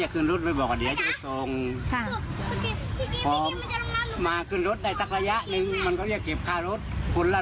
๖คนรวมทั้งเด็ก๖หวบด้วยนะ๙๖๐บาทเห็นเก็บไปนะ